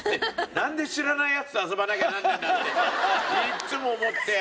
なんで知らないヤツと遊ばなきゃなんねえんだっていっつも思って。